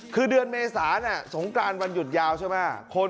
คือเดือนเมษาเนี่ยสงกรานวันหยุดยาวใช่มั้ย